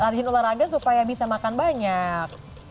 rajin olahraga supaya bisa makan banyak